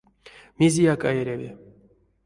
Мезеяк а эряви.